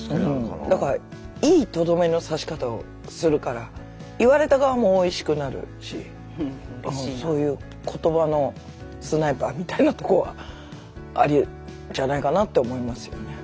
だからいいとどめの刺し方をするから言われた側もおいしくなるしそういう「言葉のスナイパー」みたいなとこはあるんじゃないかなと思いますよね。